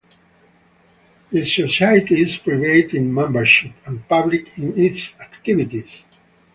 The Society is private in membership and public in its activities.